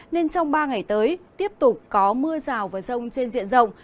nên trong ba ngày tới tiếp tục có mưa rào và rông trên diện rộng